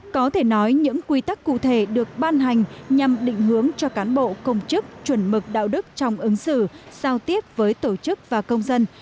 có thể nói những quy tắc cụ thể được ban hành nhằm định hướng cho cán bộ công chức chuẩn mực đạo đức trong ứng xử giao tiếp với tổ chức và công dân